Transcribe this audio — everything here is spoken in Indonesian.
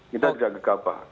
kita tidak gegabah